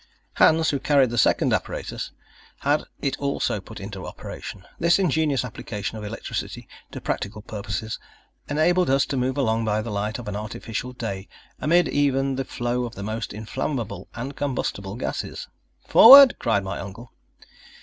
Hans, who carried the second apparatus, had it also put into operation. This ingenious application of electricity to practical purposes enabled us to move along by the light of an artificial day, amid even the flow of the most inflammable and combustible gases. "Forward!" cried my uncle.